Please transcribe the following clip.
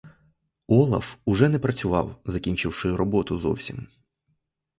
Олаф уже не працював, закінчивши роботу зовсім.